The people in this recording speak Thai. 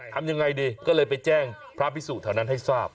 ทำยังไงดีก็เลยไปแจ้งพระพิสุแถวนั้นให้ทราบ